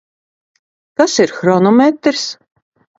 Kas ir hronometrs?